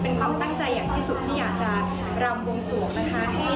เป็นความตั้งใจอย่างที่สุดที่อยากจะรำวงสวงนะคะ